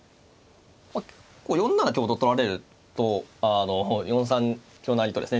結構４七香と取られると４三香成とですね